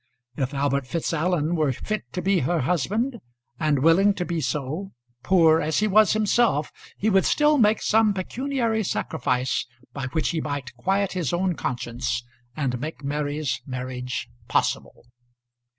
If Albert Fitzallen were fit to be her husband and willing to be so, poor as he was himself, he would still make some pecuniary sacrifice by which he might quiet his own conscience and make Mary's marriage possible.